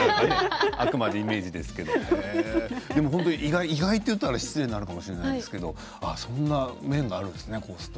あくまでイメージですけど意外と言ったら失礼かもしれませんけどそんな面があるんですね